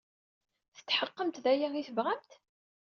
Tetḥeqqemt d aya ay tebɣamt?